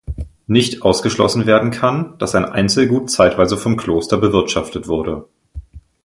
Nicht ausgeschlossen werden kann, dass ein Einzelgut zeitweise vom Kloster bewirtschaftet wurde.